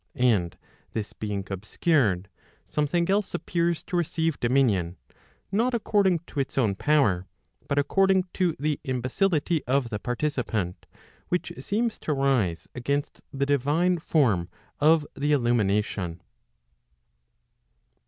And this being obscured, something else appears to receive dominion, not according to its own power, but according to the imbecility of the participant, which seems to rise against the divine form of the illumination.